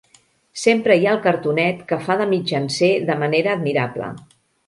Sempre hi ha el cartonet que fa de mitjancer de manera admirable.